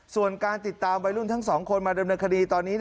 ส่วนการติดตามวัยรุ่นทั้งสองคนมาดำเนินคดีตอนนี้